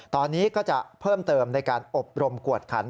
ตอนนี้ก็จะเพิ่มเติมในการอบรมกวดขัน